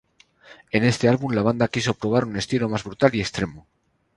En este álbum la banda quiso probar un estilo más brutal y extremo.